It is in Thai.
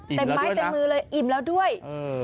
อิ่มแล้วด้วยนะแต่ไม้แต่มือเลยอิ่มแล้วด้วยเออ